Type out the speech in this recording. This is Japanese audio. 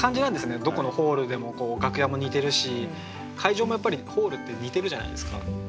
どこのホールでも楽屋も似てるし会場もやっぱりホールって似てるじゃないですか。